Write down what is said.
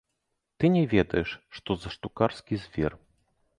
Ты не ведаеш, што за штукарскі звер.